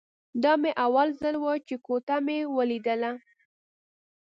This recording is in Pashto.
دا مې اول ځل و چې کوټه مې ليدله.